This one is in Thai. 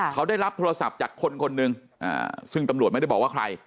เขาได้รับโทรศัพท์จากคนคนหนึ่งซึ่งตำรวจไม่ได้บอกว่าใคร